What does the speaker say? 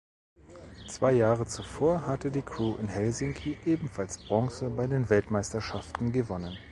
Zwei Jahre zuvor hatte die Crew in Helsinki ebenfalls Bronze bei den Weltmeisterschaften gewonnen.